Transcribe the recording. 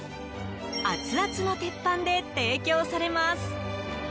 アツアツの鉄板で提供されます。